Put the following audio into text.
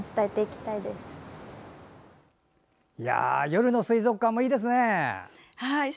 夜の水族館もいいですね。